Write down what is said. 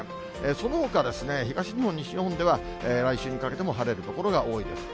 そのほかですね、東日本、西日本にかけては、来週にかけても晴れる所が多いです。